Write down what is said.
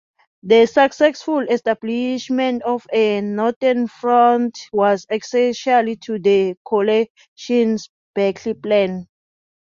The successful establishment of a northern front was essential to the coalition's battle plan.